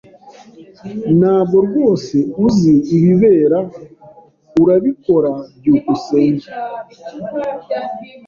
Ntabwo rwose uzi ibibera, urabikora? byukusenge